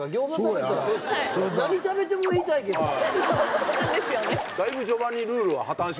そうなんですよね。